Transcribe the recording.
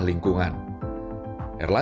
edukasi dan peran